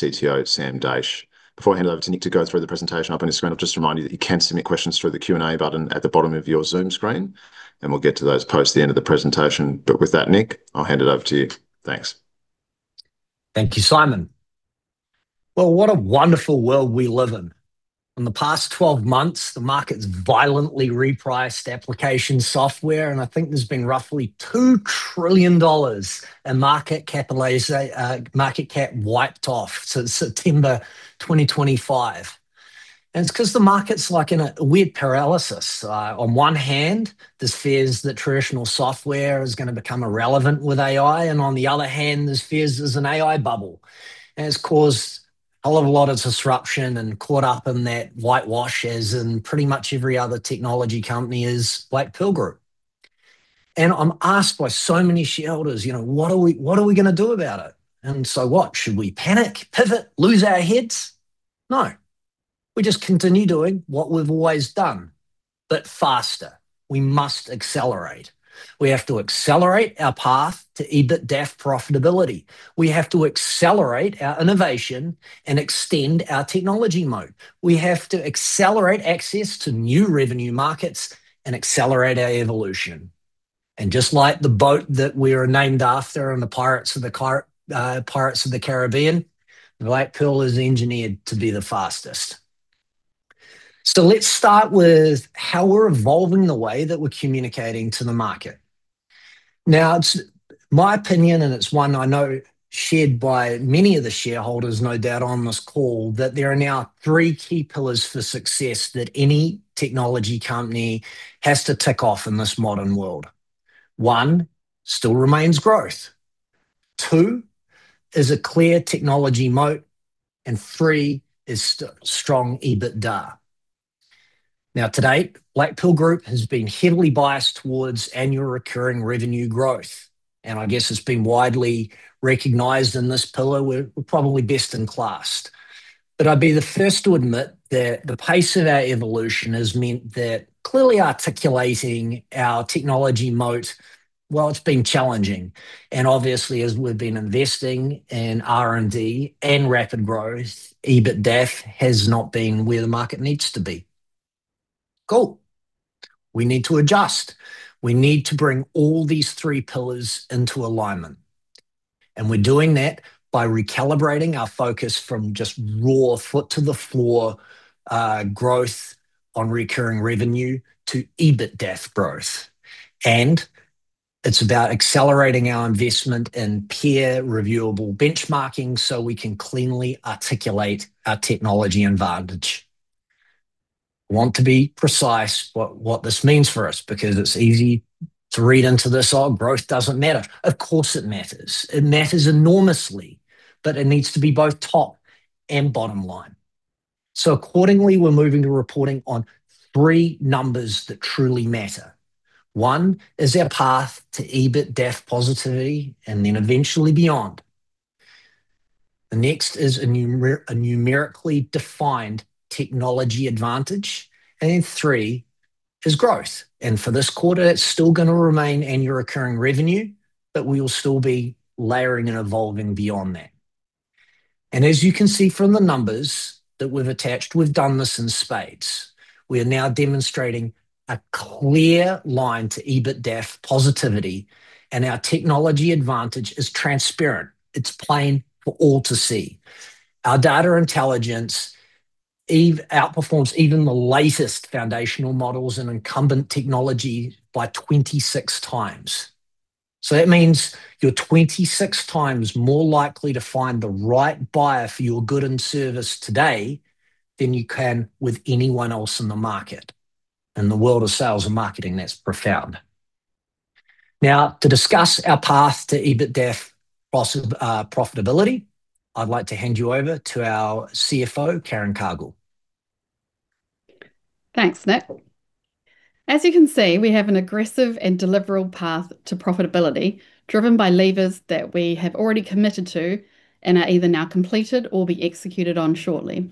CTO Sam Daish. Before I hand over to Nick to go through the presentation up on his screen, I'll just remind you that you can submit questions through the Q&A button at the bottom of your Zoom screen, and we'll get to those post the end of the presentation. With that, Nick, I'll hand it over to you. Thanks. Thank you, Simon. Well, what a wonderful world we live in. In the past 12 months, the market's violently repriced application software, and I think there's been roughly 2 trillion dollars in market cap wiped off since September 2025. It's because the market's like in a weird paralysis. On one hand, there's fears that traditional software is going to become irrelevant with AI, and on the other hand, there's fears there's an AI bubble. It's caused a hell of a lot of disruption, and caught up in that whitewash, as in pretty much every other technology company, is Black Pearl Group. I'm asked by so many shareholders, "What are we going to do about it?" So what? Should we panic, pivot, lose our heads? No. We just continue doing what we've always done, but faster. We must accelerate. We have to accelerate our path to EBITDA profitability. We have to accelerate our innovation and extend our technology moat. We have to accelerate access to new revenue markets and accelerate our evolution. Just like the boat that we're named after in the "Pirates of the Caribbean," the Black Pearl is engineered to be the fastest. Let's start with how we're evolving the way that we're communicating to the market. Now, it's my opinion, and it's one I know shared by many of the shareholders, no doubt, on this call, that there are now three key pillars for success that any technology company has to tick off in this modern world. One still remains growth, two is a clear technology moat, and three is strong EBITDA. Now, to date, Black Pearl Group has been heavily biased towards annual recurring revenue growth, and I guess it's been widely recognized in this pillar we're probably best in class. I'd be the first to admit that the pace of our evolution has meant that clearly articulating our technology moat, well, it's been challenging. Obviously, as we've been investing in R&D and rapid growth, EBITDA has not been where the market needs to be. Cool. We need to adjust. We need to bring all these three pillars into alignment, and we're doing that by recalibrating our focus from just raw foot to the floor growth on recurring revenue to EBITDA growth. It's about accelerating our investment in peer reviewable benchmarking so we can cleanly articulate our technology advantage. I want to be precise what this means for us, because it's easy to read into this, "Oh, growth doesn't matter." Of course, it matters. It matters enormously, but it needs to be both top and bottom line. Accordingly, we're moving to reporting on three numbers that truly matter. One is our path to EBITDA positivity and then eventually beyond. The next is a numerically defined technology advantage. Three is growth. For this quarter, it's still going to remain annual recurring revenue, but we will still be layering and evolving beyond that. As you can see from the numbers that we've attached, we've done this in spades. We are now demonstrating a clear line to EBITDA positivity, and our technology advantage is transparent. It's plain for all to see. Our data intelligence outperforms even the latest foundational models and incumbent technology by 26x. That means you're 26x more likely to find the right buyer for your good and service today than you can with anyone else in the market. In the world of sales and marketing, that's profound. Now, to discuss our path to EBITDA profitability, I'd like to hand you over to our CFO, Karen Cargill. Thanks, Nick. As you can see, we have an aggressive and deliverable path to profitability, driven by levers that we have already committed to and are either now completed or be executed on shortly.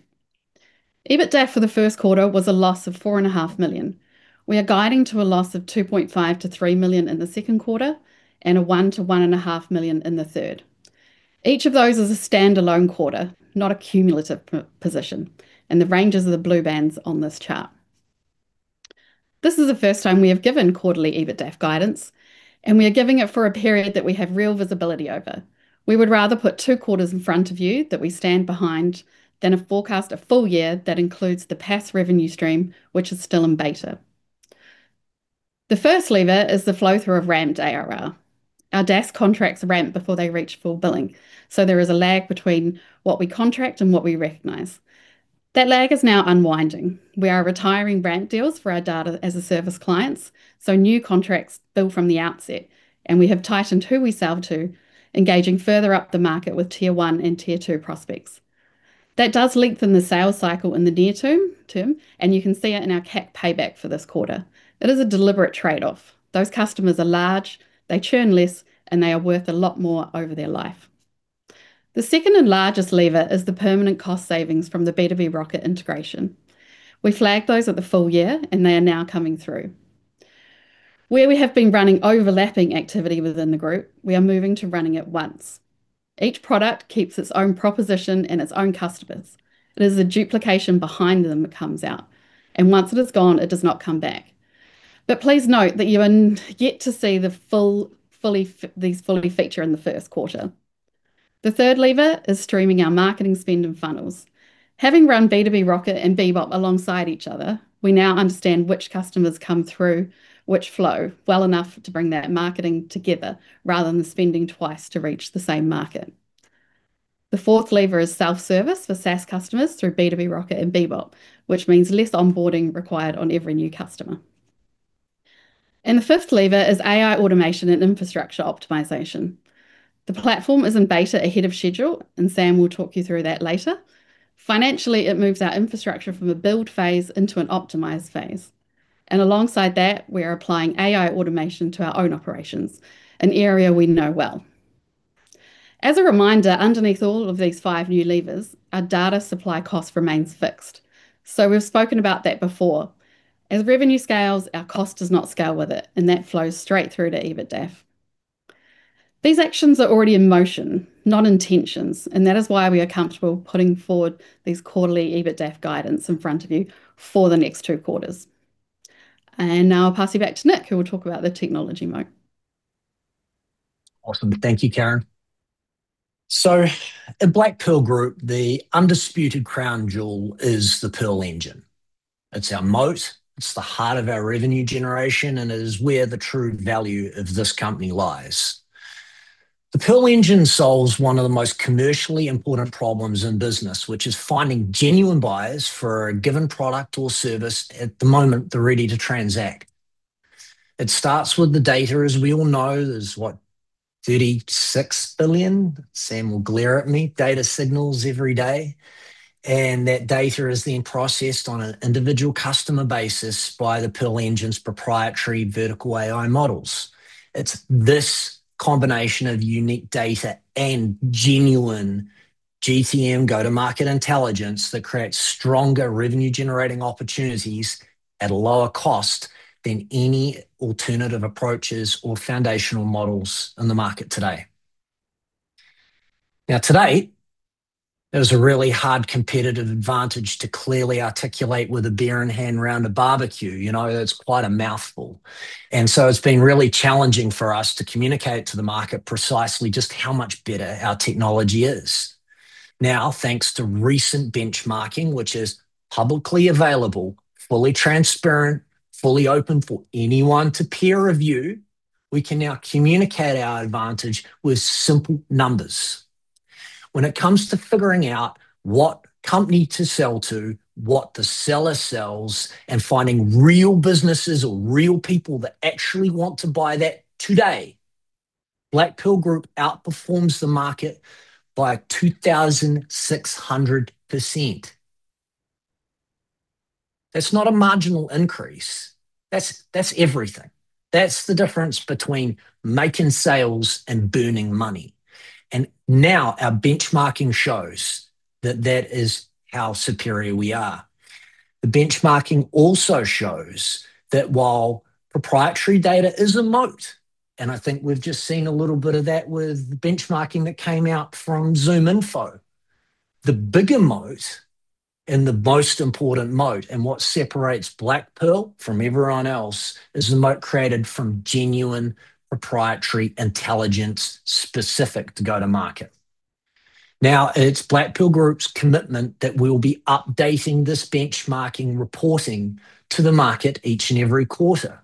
EBITDA for the first quarter was a loss of 4.5 million. We are guiding to a loss of 2.5 million-3 million in the second quarter and 1 million-1.5 million in the third. Each of those is a standalone quarter, not a cumulative position. The ranges are the blue bands on this chart. This is the first time we have given quarterly EBITDA guidance, and we are giving it for a period that we have real visibility over. We would rather put two quarters in front of you that we stand behind than forecast a full year that includes the PaaS revenue stream, which is still in beta. The first lever is the flow-through of ramped ARR. Our DaaS contracts ramp before they reach full billing, so there is a lag between what we contract and what we recognize. That lag is now unwinding. We are retiring ramp deals for our Data as a Service clients, so new contracts bill from the outset, and we have tightened who we sell to, engaging further up the market with Tier 1 and Tier 2 prospects. That does lengthen the sales cycle in the near term, and you can see it in our CAC payback for this quarter. It is a deliberate trade-off. Those customers are large, they churn less, and they are worth a lot more over their life. The second and largest lever is the permanent cost savings from the B2B Rocket integration. We flagged those at the full year, they are now coming through. Where we have been running overlapping activity within the group, we are moving to running it once. Each product keeps its own proposition and its own customers. It is the duplication behind them that comes out, and once it is gone, it does not come back. Please note that you are yet to see these fully feature in the first quarter. The third lever is streaming our marketing spend and funnels. Having run B2B Rocket and Bebop alongside each other, we now understand which customers come through which flow well enough to bring that marketing together rather than spending twice to reach the same market. The fourth lever is self-service for SaaS customers through B2B Rocket and Bebop, which means less onboarding required on every new customer. The fifth lever is AI automation and infrastructure optimization. The platform is in beta ahead of schedule, Sam will talk you through that later. Financially, it moves our infrastructure from a build phase into an optimize phase. Alongside that, we are applying AI automation to our own operations, an area we know well. As a reminder, underneath all of these five new levers, our data supply cost remains fixed. We've spoken about that before. As revenue scales, our cost does not scale with it, and that flows straight through to EBITDAF. These actions are already in motion, not intentions, and that is why we are comfortable putting forward these quarterly EBITDAF guidance in front of you for the next two quarters. Now I'll pass you back to Nick, who will talk about the technology moat. Awesome. Thank you, Karen. At Black Pearl Group, the undisputed crown jewel is the Pearl Engine. It's our moat, it's the heart of our revenue generation, and it is where the true value of this company lies. The Pearl Engine solves one of the most commercially important problems in business, which is finding genuine buyers for a given product or service at the moment they're ready to transact. It starts with the data. As we all know, there's what, 36 billion, Sam will glare at me, data signals every day. That data is then processed on an individual customer basis by the Pearl Engine's proprietary vertical AI models. It's this combination of unique data and genuine GTM, go-to-market intelligence, that creates stronger revenue-generating opportunities at a lower cost than any alternative approaches or foundational models in the market today. Today, it is a really hard competitive advantage to clearly articulate with a beer in hand around a barbecue. It's quite a mouthful, it's been really challenging for us to communicate to the market precisely just how much better our technology is. Thanks to recent benchmarking, which is publicly available, fully transparent, fully open for anyone to peer review, we can now communicate our advantage with simple numbers. When it comes to figuring out what company to sell to, what the seller sells, and finding real businesses or real people that actually want to buy that today, Black Pearl Group outperforms the market by 2,600%. That's not a marginal increase. That's everything. That's the difference between making sales and burning money. Now our benchmarking shows that that is how superior we are. The benchmarking also shows that while proprietary data is a moat, and I think we've just seen a little bit of that with the benchmarking that came out from ZoomInfo. The bigger moat, and the most important moat, and what separates Black Pearl from everyone else, is the moat created from genuine proprietary intelligence specific to go-to-market. It's Black Pearl Group's commitment that we'll be updating this benchmarking reporting to the market each and every quarter.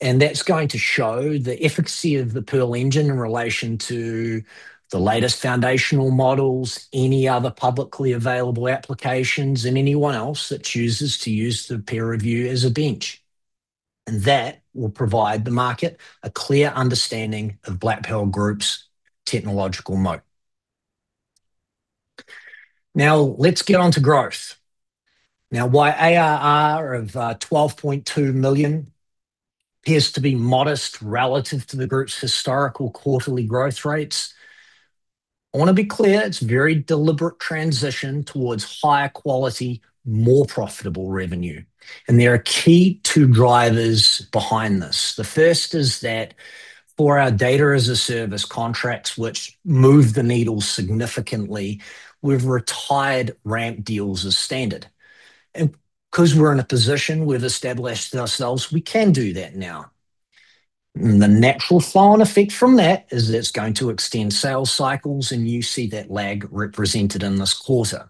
That's going to show the efficacy of the Pearl Engine in relation to the latest foundational models, any other publicly available applications, and anyone else that chooses to use the peer review as a bench. That will provide the market a clear understanding of Black Pearl Group's technological moat. Let's get on to growth. While ARR of 12.2 million appears to be modest relative to the group's historical quarterly growth rates, I want to be clear, it's a very deliberate transition towards higher quality, more profitable revenue. There are key two drivers behind this. The first is that for our data-as-a-service contracts, which move the needle significantly, we've retired ramp deals as standard. Because we're in a position, we've established ourselves, we can do that now. The natural flow and effect from that is that it's going to extend sales cycles, and you see that lag represented in this quarter.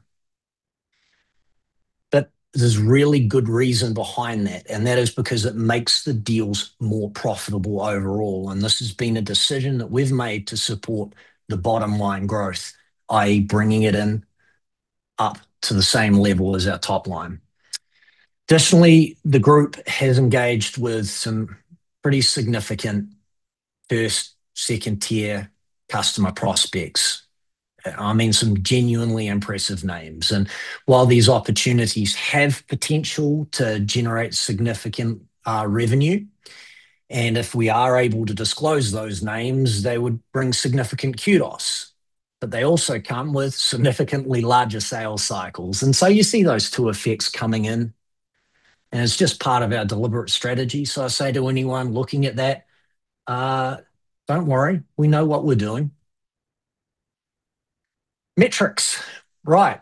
There's really good reason behind that, and that is because it makes the deals more profitable overall, and this has been a decision that we've made to support the bottom line growth, i.e., bringing it in up to the same level as our top line. Additionally, the group has engaged with some pretty significant 1st, 2nd-tier customer prospects. I mean, some genuinely impressive names. While these opportunities have potential to generate significant revenue And if we are able to disclose those names, they would bring significant kudos, but they also come with significantly larger sales cycles. You see those two effects coming in, and it's just part of our deliberate strategy. I say to anyone looking at that, don't worry, we know what we're doing. Metrics. Right.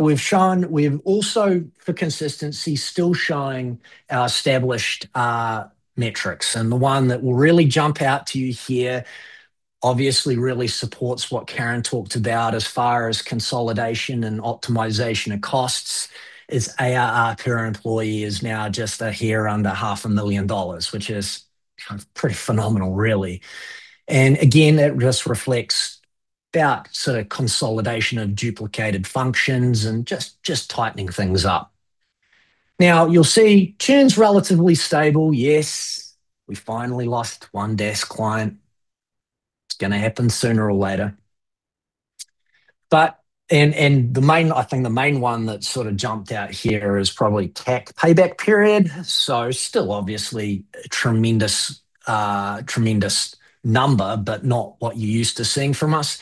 We've also, for consistency, still showing our established metrics. The one that will really jump out to you here obviously really supports what Karen talked about as far as consolidation and optimization of costs is ARR per employee is now just here under half a million NZD, which is pretty phenomenal, really. Again, that just reflects that consolidation of duplicated functions and just tightening things up. You'll see churn's relatively stable. Yes, we finally lost one DaaS client. It's going to happen sooner or later. I think the main one that jumped out here is probably CAC payback period. Still obviously a tremendous number, but not what you're used to seeing from us.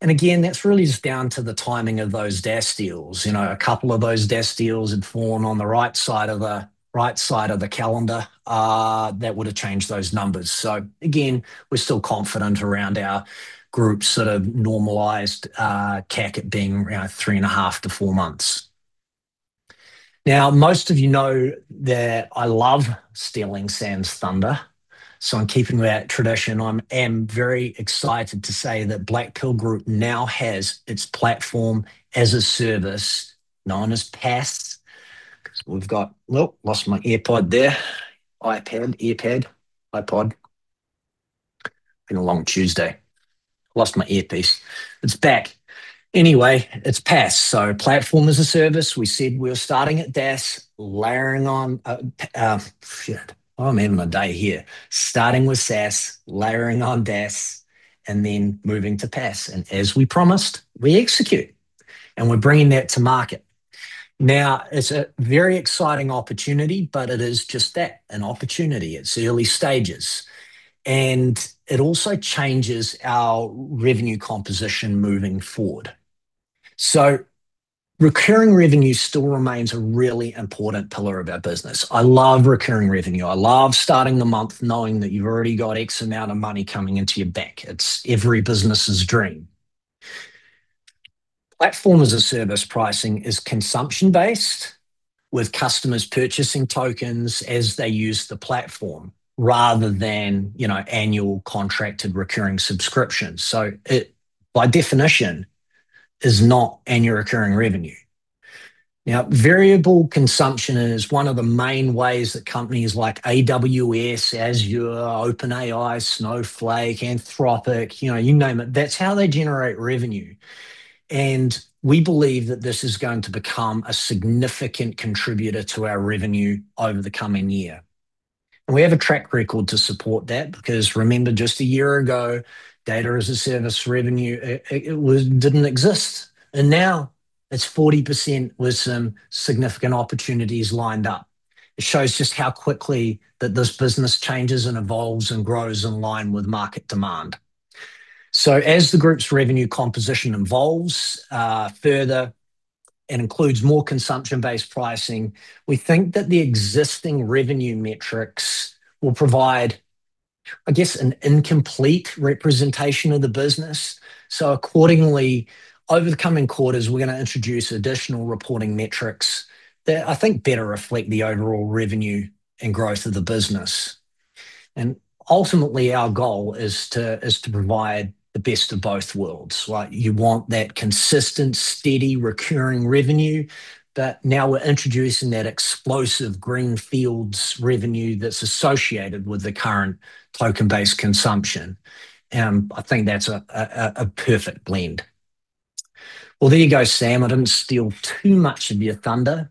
Again, that's really just down to the timing of those DaaS deals. A couple of those DaaS deals had fallen on the right side of the calendar, that would've changed those numbers. Again, we're still confident around our group's normalized CAC at being 3.5-4 months. Most of you know that I love stealing Sam's thunder, in keeping with that tradition, I am very excited to say that Black Pearl Group now has its platform as a service, known as PaaS. We've got lost my AirPod there. iPad, AirPad, iPod. Been a long Tuesday. Lost my earpiece. It's back. Anyway, it's PaaS, so platform as a service. We said we were starting at DaaS, layering on Shit, I'm having my day here. Starting with SaaS, layering on DaaS, then moving to PaaS. As we promised, we execute, and we're bringing that to market. It's a very exciting opportunity, but it is just that, an opportunity. It's early stages, and it also changes our revenue composition moving forward. Recurring revenue still remains a really important pillar of our business. I love recurring revenue. I love starting the month knowing that you've already got X amount of money coming into your bank. It's every business's dream. Platform as a service pricing is consumption-based, with customers purchasing tokens as they use the platform rather than annual contracted recurring subscriptions. It, by definition, is not annual recurring revenue. Variable consumption is one of the main ways that companies like AWS, Azure, OpenAI, Snowflake, Anthropic, you name it, that's how they generate revenue. We believe that this is going to become a significant contributor to our revenue over the coming year. We have a track record to support that because remember just a year ago, data as a service revenue, it didn't exist, and now it's 40% with some significant opportunities lined up. It shows just how quickly that this business changes and evolves and grows in line with market demand. As the group's revenue composition evolves further and includes more consumption-based pricing, we think that the existing revenue metrics will provide, I guess, an incomplete representation of the business. Accordingly, over the coming quarters, we're going to introduce additional reporting metrics that I think better reflect the overall revenue and growth of the business. Ultimately, our goal is to provide the best of both worlds. You want that consistent, steady, recurring revenue, now we're introducing that explosive greenfields revenue that's associated with the current token-based consumption. I think that's a perfect blend. Well, there you go, Sam. I didn't steal too much of your thunder.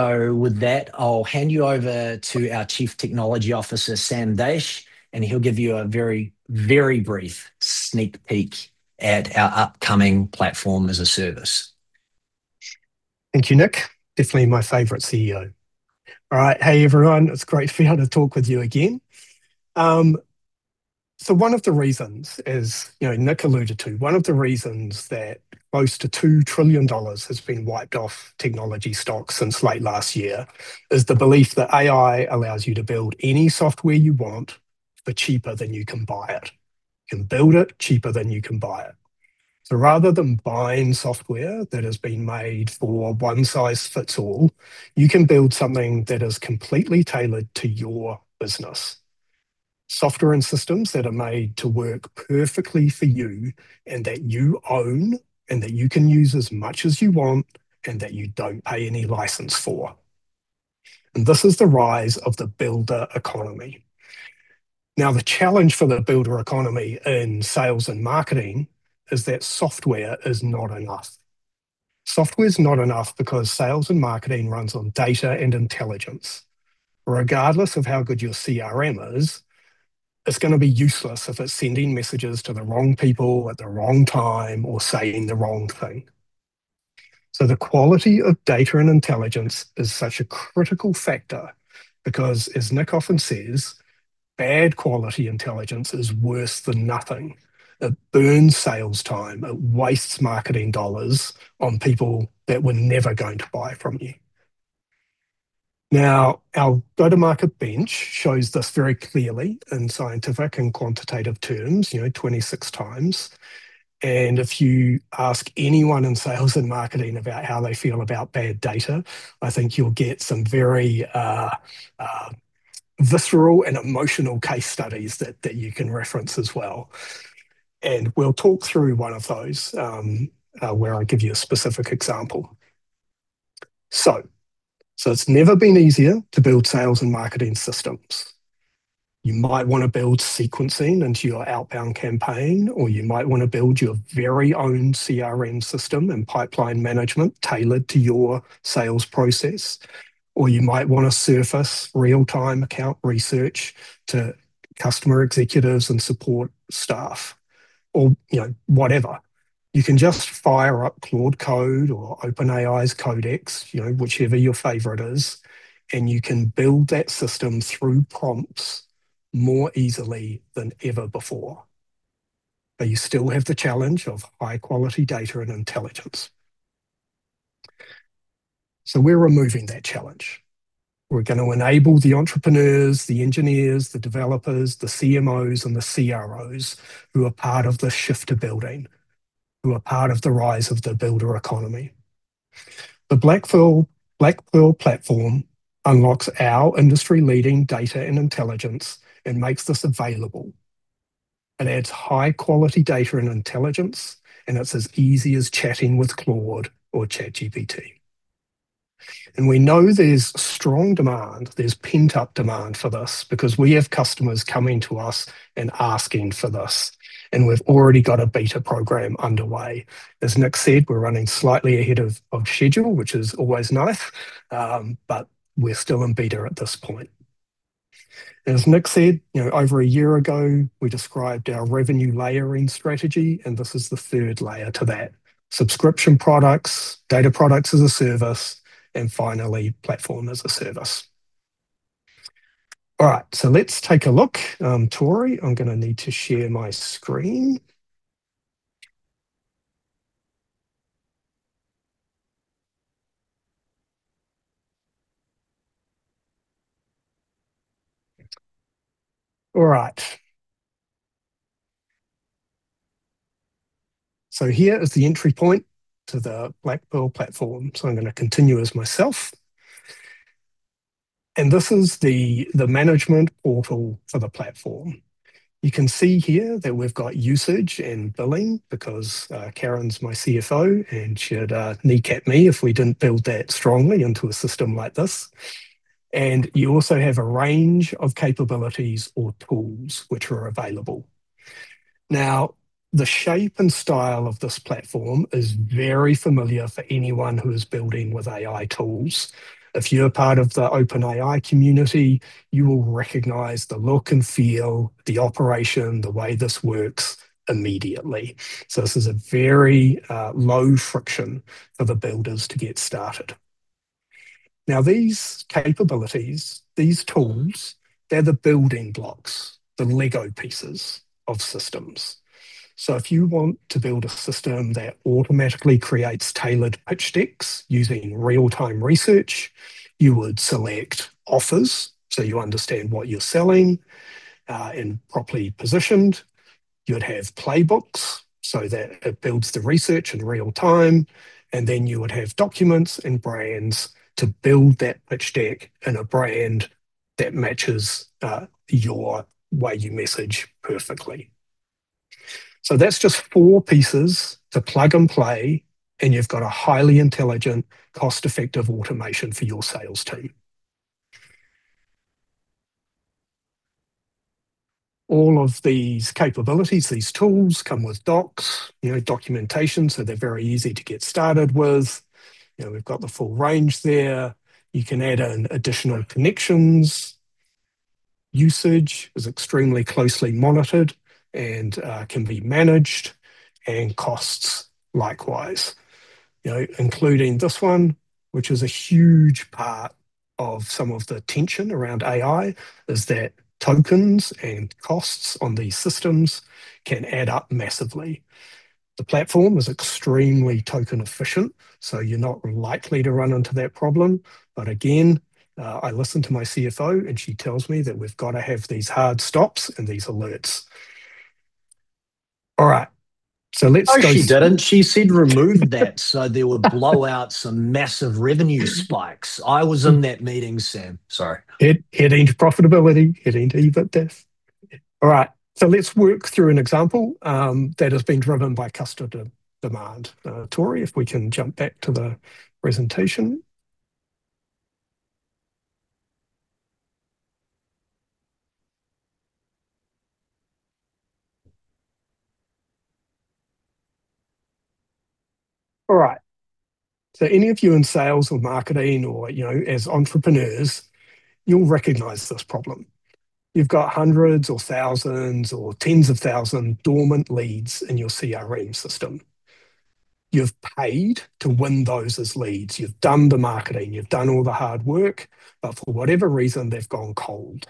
With that, I'll hand you over to our Chief Technology Officer, Sam Daish, and he'll give you a very brief sneak peek at our upcoming platform as a service. Thank you, Nick. Definitely my favorite CEO. All right. Hey, everyone. It's great to be able to talk with you again. One of the reasons as Nick alluded to, one of the reasons that close to 2 trillion dollars has been wiped off technology stocks since late last year is the belief that AI allows you to build any software you want for cheaper than you can buy it. You can build it cheaper than you can buy it. Rather than buying software that has been made for one size fits all, you can build something that is completely tailored to your business, software and systems that are made to work perfectly for you and that you own and that you can use as much as you want and that you don't pay any license for. This is the rise of the builder economy. The challenge for the builder economy in sales and marketing is that software is not enough. Software's not enough because sales and marketing runs on data and intelligence. Regardless of how good your CRM is, it's going to be useless if it's sending messages to the wrong people at the wrong time or saying the wrong thing. The quality of data and intelligence is such a critical factor because, as Nick often says, bad quality intelligence is worse than nothing. It burns sales time, it wastes marketing dollars on people that were never going to buy from you. Our GTM-Bench shows this very clearly in scientific and quantitative terms, 26x. If you ask anyone in sales and marketing about how they feel about bad data, I think you'll get some very visceral and emotional case studies that you can reference as well. We'll talk through one of those, where I give you a specific example. It's never been easier to build sales and marketing systems. You might want to build sequencing into your outbound campaign, or you might want to build your very own CRM system and pipeline management tailored to your sales process. You might want to surface real-time account research to customer executives and support staff, or whatever. You can just fire up Claude Code or OpenAI's Codex, whichever your favorite is, and you can build that system through prompts more easily than ever before. You still have the challenge of high-quality data and intelligence. We're removing that challenge. We're going to enable the entrepreneurs, the engineers, the developers, the CMOs, and the CROs who are part of the shift to building, who are part of the rise of the builder economy. The Black Pearl platform unlocks our industry-leading data and intelligence and makes this available. It adds high-quality data and intelligence, and it's as easy as chatting with Claude or ChatGPT. We know there's strong demand, there's pent-up demand for this because we have customers coming to us and asking for this, and we've already got a beta program underway. As Nick said, we're running slightly ahead of schedule, which is always nice. We're still in beta at this point. As Nick said, over a year ago, we described our revenue layering strategy, and this is the third layer to that. Subscription products, data products as a service, and finally, platform as a service. All right, let's take a look. Tori, I'm going to need to share my screen. All right. Here is the entry point to the Black Pearl platform. I'm going to continue as myself. This is the management portal for the platform. You can see here that we've got usage and billing because Karen's my CFO, and she'd kneecap me if we didn't build that strongly into a system like this. You also have a range of capabilities or tools which are available. The shape and style of this platform is very familiar for anyone who is building with AI tools. If you're part of the OpenAI community, you will recognize the look and feel, the operation, the way this works immediately. This is a very low friction for the builders to get started. These capabilities, these tools, they're the building blocks, the Lego pieces of systems. If you want to build a system that automatically creates tailored pitch decks using real-time research, you would select offers so you understand what you're selling and properly positioned. You would have playbooks so that it builds the research in real time, you would have documents and brands to build that pitch deck and a brand that matches your way you message perfectly. That's just four pieces to plug and play, and you've got a highly intelligent, cost-effective automation for your sales team. All of these capabilities, these tools come with docs, documentation, so they're very easy to get started with. We've got the full range there. You can add in additional connections. Usage is extremely closely monitored and can be managed, and costs likewise. Including this one, which is a huge part of some of the tension around AI, is that tokens and costs on these systems can add up massively. The platform is extremely token efficient, you're not likely to run into that problem. Again, I listen to my CFO, and she tells me that we've got to have these hard stops and these alerts. All right. Let's go- No, she didn't. She said remove that so there were blowouts and massive revenue spikes. I was in that meeting, Sam. Sorry. Heading to profitability, heading to EBITDAF. All right. Let's work through an example that has been driven by customer demand. Tori, if we can jump back to the presentation. All right. Any of you in sales or marketing or as entrepreneurs, you'll recognize this problem You've got hundreds or thousands or tens of thousands dormant leads in your CRM system. You've paid to win those as leads. You've done the marketing. You've done all the hard work, but for whatever reason, they've gone cold.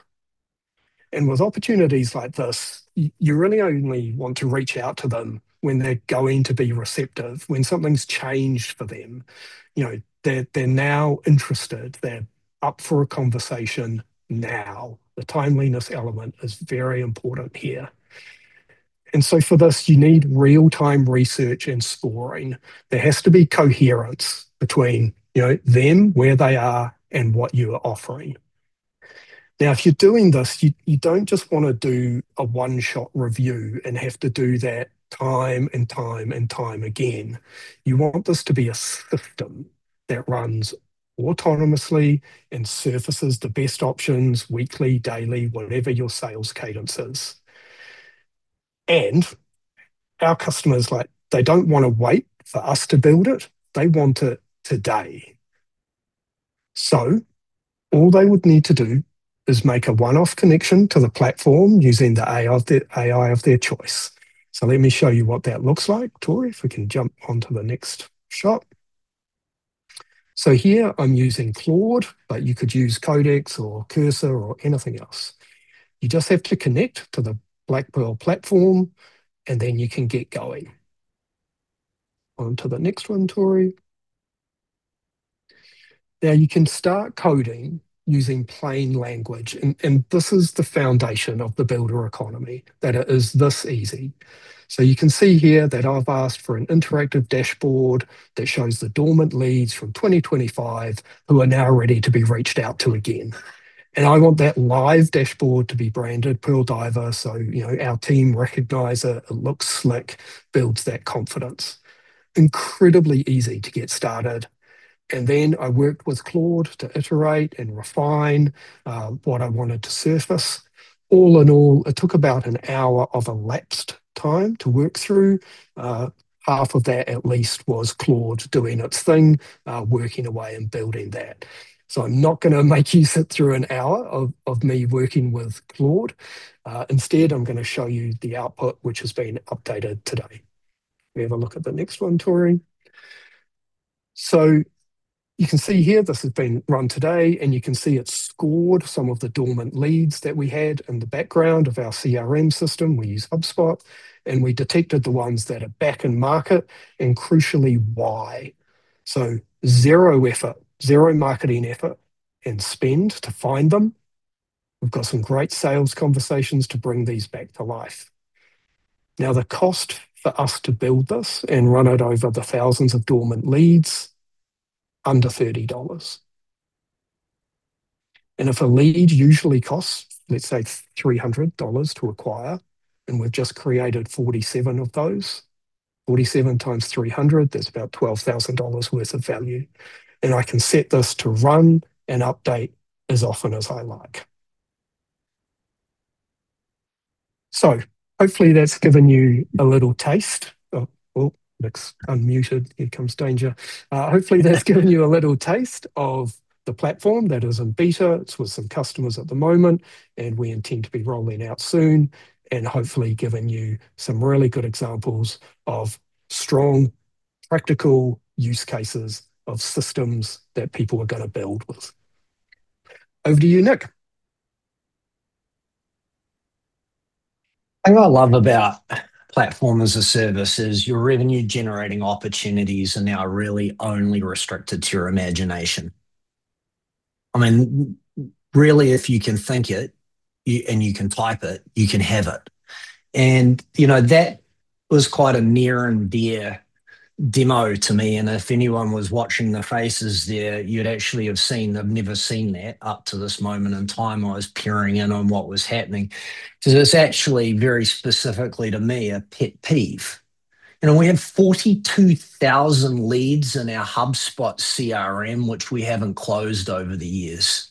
With opportunities like this, you really only want to reach out to them when they're going to be receptive, when something's changed for them. They're now interested. They're up for a conversation now. The timeliness element is very important here. For this, you need real-time research and scoring. There has to be coherence between them, where they are, and what you are offering. If you're doing this, you don't just want to do a one-shot review and have to do that time and time and time again. You want this to be a system that runs autonomously and surfaces the best options weekly, daily, whatever your sales cadence is. Our customers, they don't want to wait for us to build it. They want it today. All they would need to do is make a one-off connection to the platform using the AI of their choice. Let me show you what that looks like. Tori, if we can jump onto the next shot. Here I'm using Claude, but you could use Codex or Cursor or anything else. You just have to connect to the Black Pearl platform, you can get going. On to the next one, Tori. You can start coding using plain language, this is the foundation of the builder economy, that it is this easy. You can see here that I've asked for an interactive dashboard that shows the dormant leads from 2025 who are now ready to be reached out to again. I want that live dashboard to be branded Pearl Diver so our team recognize it looks slick, builds that confidence. Incredibly easy to get started. I worked with Claude to iterate and refine what I wanted to surface. All in all, it took about an hour of elapsed time to work through. Half of that at least was Claude doing its thing, working away and building that. I'm not going to make you sit through an hour of me working with Claude. Instead, I'm going to show you the output, which has been updated today. Can we have a look at the next one, Tori? You can see here this has been run today, you can see it scored some of the dormant leads that we had in the background of our CRM system. We use HubSpot. We detected the ones that are back in market, crucially, why. Zero effort, zero marketing effort and spend to find them. We've got some great sales conversations to bring these back to life. The cost for us to build this and run it over the thousands of dormant leads, under 30 dollars. If a lead usually costs, let's say, 300 dollars to acquire, we've just created 47 of those, 47x 300, that's about 12,000 dollars worth of value. I can set this to run and update as often as I like. Hopefully that's given you a little taste of Oh, Nick's unmuted. Here comes danger. Hopefully that's given you a little taste of the platform that is in beta. It's with some customers at the moment, we intend to be rolling out soon hopefully given you some really good examples of strong, practical use cases of systems that people are going to build with. Over to you, Nick. The thing I love about platform as a service is your revenue-generating opportunities are now really only restricted to your imagination. If you can think it and you can type it, you can have it. That was quite a near and dear demo to me, and if anyone was watching the faces there, you'd actually have seen they've never seen that up to this moment in time. I was peering in on what was happening. It's actually very specifically to me, a pet peeve. We have 42,000 leads in our HubSpot CRM, which we haven't closed over the years.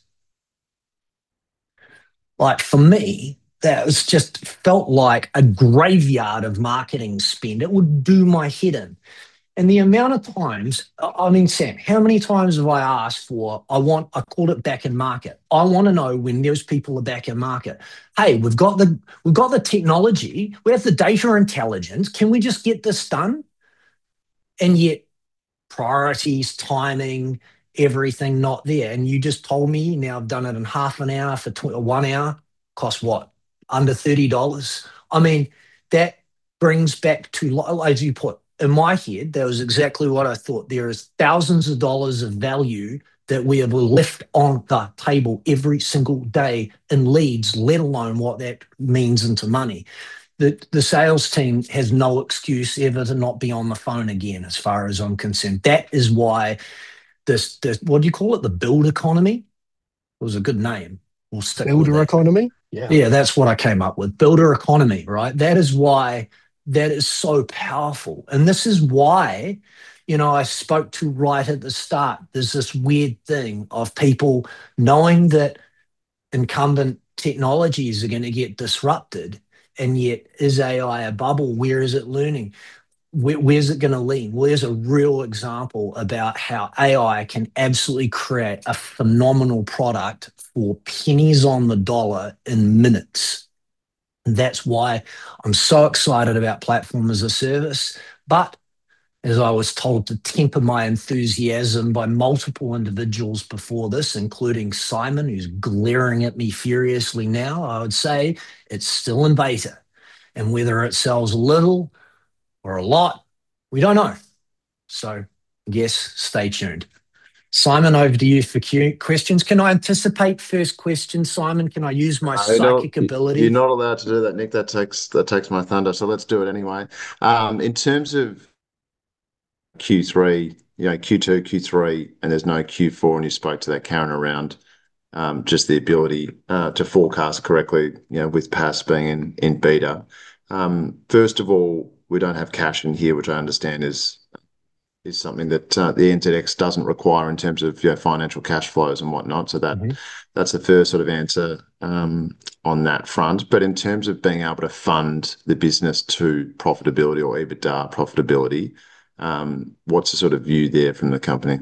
For me, that just felt like a graveyard of marketing spend. It would do my head in. The amount of times, Sam, how many times have I asked for, I call it back in market. I want to know when those people are back in market. Hey, we've got the technology. We have the data intelligence. Can we just get this done? Yet priorities, timing, everything not there. You just told me now I've done it in half an hour for one hour. Costs what? Under 30 dollars. That brings back to, as you put, in my head, that was exactly what I thought. There is thousands of NZD of value that we have left on the table every single day in leads, let alone what that means into money. The sales team has no excuse ever to not be on the phone again, as far as I'm concerned. That is why this, what do you call it? The builder economy? It was a good name. We'll stick with that. Builder economy? Yeah. Yeah, that's what I came up with. Builder economy, right? That is why that is so powerful. This is why I spoke to right at the start, there's this weird thing of people knowing that incumbent technologies are going to get disrupted, yet is AI a bubble? Where is it learning? Where's it going to lead? Here's a real example about how AI can absolutely create a phenomenal product for pennies on the NZD in minutes. That's why I'm so excited about platform as a service. As I was told to temper my enthusiasm by multiple individuals before this, including Simon, who's glaring at me furiously now, I would say it's still in beta. Whether it sells little or a lot, we don't know. Yes, stay tuned. Simon, over to you for questions. Can I anticipate first question, Simon? Can I use my psychic ability? No, you're not allowed to do that, Nick. That takes my thunder. Let's do it anyway. In terms of Q2, Q3, and there's no Q4, and you spoke to that, Karen, around just the ability to forecast correctly with PaaS being in beta. First of all, we don't have cash in here, which I understand is something that the NZX doesn't require in terms of financial cash flows and whatnot. That's the first sort of answer on that front. In terms of being able to fund the business to profitability or EBITDA profitability, what's the sort of view there from the company?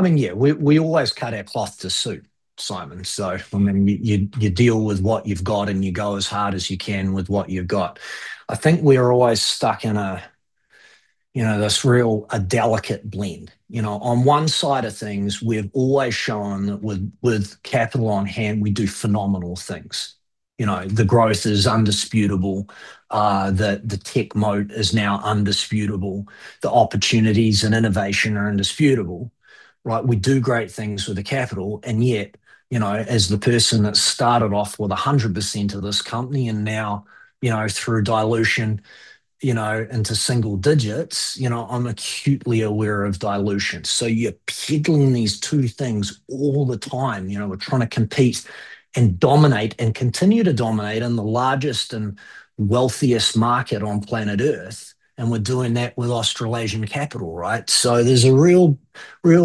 We always cut our cloth to suit, Simon. You deal with what you've got, and you go as hard as you can with what you've got. I think we're always stuck in this real delicate blend. On one side of things, we've always shown that with capital on hand, we do phenomenal things. The growth is undisputable. The tech moat is now undisputable. The opportunities and innovation are undisputable, right? We do great things with the capital, and yet, as the person that started off with 100% of this company and now through dilution into single digits, I'm acutely aware of dilution. You're peddling these two things all the time. We're trying to compete and dominate and continue to dominate in the largest and wealthiest market on planet Earth, and we're doing that with Australasian Capital, right? There's a real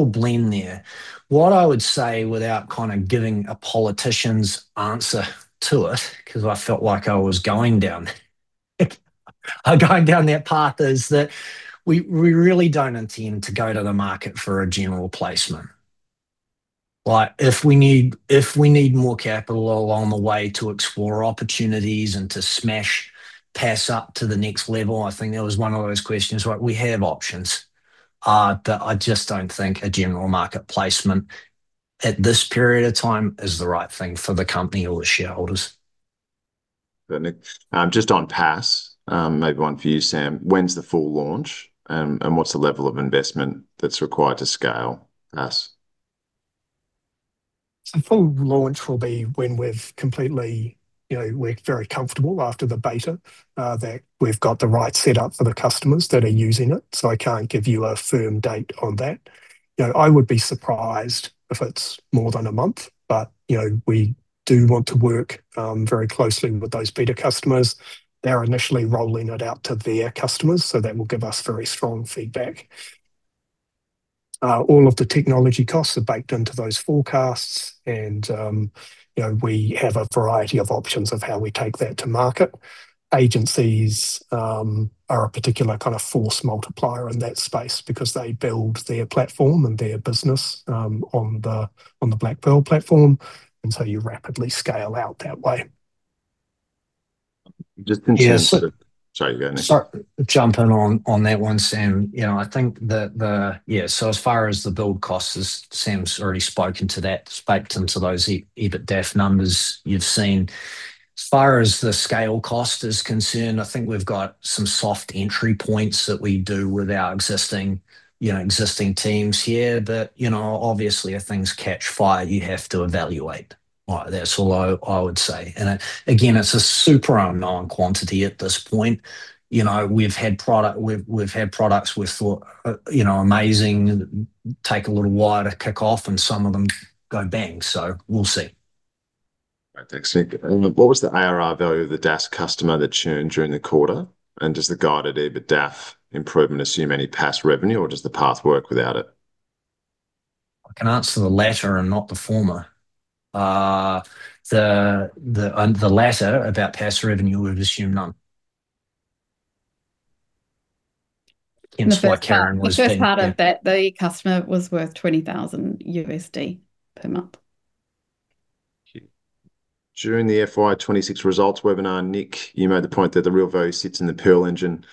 blend there. What I would say without kind of giving a politician's answer to it, because I felt like I was going down that path, is that we really don't intend to go to the market for a general placement. If we need more capital along the way to explore opportunities and to smash PaaS up to the next level, I think that was one of those questions, right, we have options. I just don't think a general market placement at this period of time is the right thing for the company or the shareholders. Nick, just on PaaS, maybe one for you, Sam, what's the level of investment that's required to scale PaaS? The full launch will be when we're very comfortable after the beta that we've got the right setup for the customers that are using it. I can't give you a firm date on that. I would be surprised if it's more than a month, we do want to work very closely with those beta customers. They're initially rolling it out to their customers, so that will give us very strong feedback. All of the technology costs are baked into those forecasts and we have a variety of options of how we take that to market. Agencies are a particular kind of force multiplier in that space because they build their platform and their business on the Black Pearl platform, you rapidly scale out that way. Just in terms of Sorry, go Nick. Sorry. Jumping on that one, Sam. I think that, yeah, as far as the build costs, as Sam's already spoken to that, baked into those EBITDAF numbers you've seen. As far as the scale cost is concerned, I think we've got some soft entry points that we do with our existing teams here that, obviously, if things catch fire, you have to evaluate. That's all I would say. Again, it's a super unknown quantity at this point. We've had products we've thought are amazing, take a little while to kick off, and some of them go bang. We'll see. Right. Thanks, Nick. What was the ARR value of the DaaS customer that churned during the quarter? Does the guided EBITDAF improvement assume any PaaS revenue, or does the PaaS work without it? I can answer the latter and not the former. The latter, about PaaS revenue, we've assumed none. Hence why Karen was saying- The first part of that, the customer was worth $20,000 per month. Thank you. During the FY 2026 results webinar, Nick, you made the point that the real value sits in the Pearl Engine,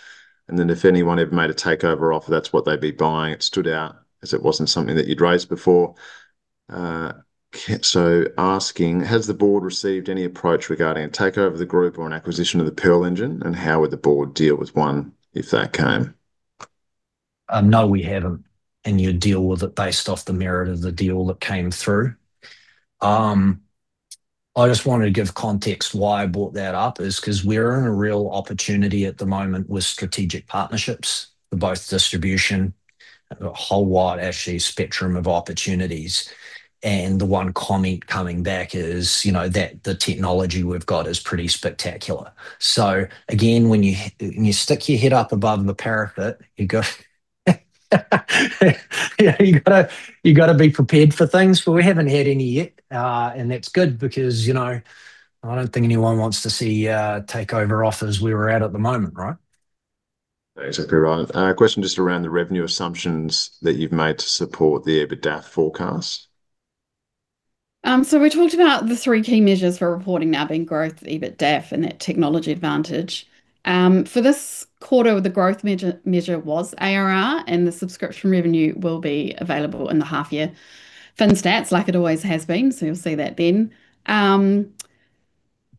and that if anyone ever made a takeover offer, that's what they'd be buying. It stood out as it wasn't something that you'd raised before. Asking, has the board received any approach regarding a takeover of the group or an acquisition of the Pearl Engine, and how would the board deal with one if that came? No, we haven't. You deal with it based off the merit of the deal that came through. I just wanted to give context why I brought that up is because we're in a real opportunity at the moment with strategic partnerships for both distribution, a whole wide actually spectrum of opportunities, and the one comment coming back is that the technology we've got is pretty spectacular. Again, when you stick your head up above the parapet, you go Yeah, you've got to be prepared for things, we haven't had any yet. That's good because I don't think anyone wants to see takeover offers where we're at at the moment, right? Exactly right. A question just around the revenue assumptions that you've made to support the EBITDA forecast. We talked about the three key measures for reporting now being growth, the EBITDA, and that technology advantage. For this quarter, the growth measure was ARR, and the subscription revenue will be available in the half year fin stats, like it always has been. You'll see that then.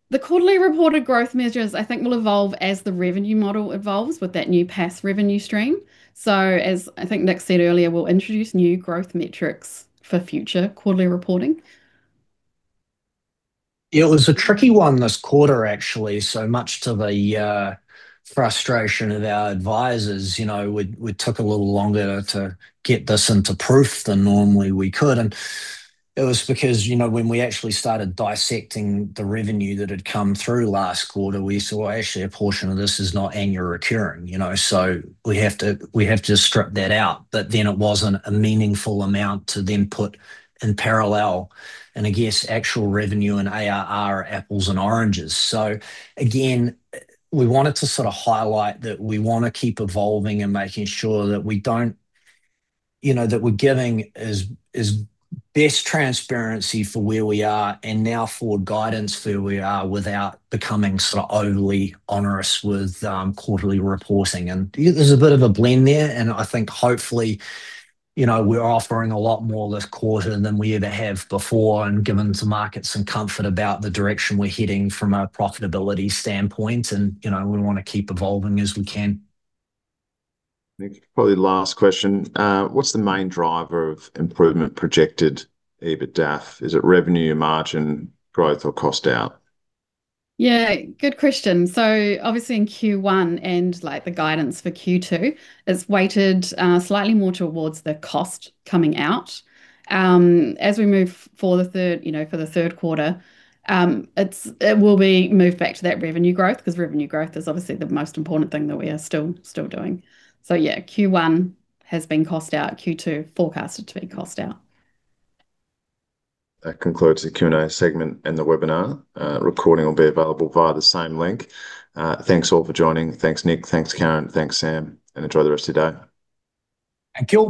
The quarterly reported growth measures, I think, will evolve as the revenue model evolves with that new PaaS revenue stream. As I think Nick said earlier, we'll introduce new growth metrics for future quarterly reporting. It was a tricky one this quarter, actually. Much to the frustration of our advisors, we took a little longer to get this into proof than normally we could. It was because when we actually started dissecting the revenue that had come through last quarter, we saw actually a portion of this is not annual recurring. We have to strip that out. It wasn't a meaningful amount to then put in parallel. I guess actual revenue and ARR are apples and oranges. Again, we wanted to highlight that we want to keep evolving and making sure that we're giving as best transparency for where we are and now forward guidance for where we are without becoming overly onerous with quarterly reporting. There's a bit of a blend there. I think hopefully, we're offering a lot more this quarter than we ever have before, giving some markets some comfort about the direction we're heading from a profitability standpoint. We want to keep evolving as we can. Nick, probably last question. What's the main driver of improvement projected EBITDA? Is it revenue, margin, growth, or cost out? Yeah, good question. Obviously in Q1 and the guidance for Q2, it's weighted slightly more towards the cost coming out. As we move for the third quarter, it will be moved back to that revenue growth. Revenue growth is obviously the most important thing that we are still doing. Yeah, Q1 has been cost out, Q2 forecasted to be cost out. That concludes the Q&A segment and the webinar. A recording will be available via the same link. Thanks, all, for joining. Thanks, Nick. Thanks, Karen. Thanks, Sam, enjoy the rest of your day. And kill the-